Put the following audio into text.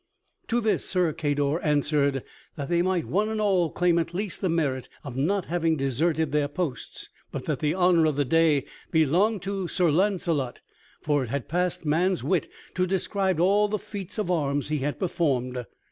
To this Sir Cador answered that they might one and all claim at least the merit of not having deserted their posts, but that the honor of the day belonged to Sir Launcelot, for it passed man's wit to describe all the feats of arms he had performed.